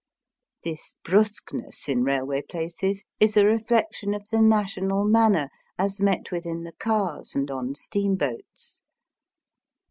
This brusqueness in railway places is a reflection of the national manner as met with in the cars and on steamboats.